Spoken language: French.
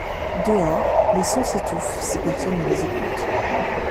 Dehors, les sons s’étouffent si personne ne les écoute.